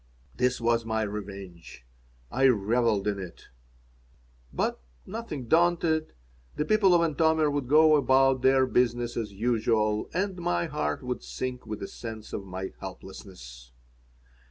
This was my revenge. I reveled in it. But, nothing daunted, the people of Antomir would go about their business as usual and my heart would sink with a sense of my helplessness.